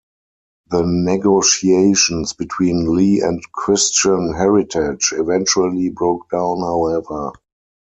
The negotiations between Lee and Christian Heritage eventually broke down, however.